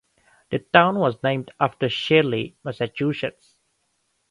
The town was named after Shirley, Massachusetts.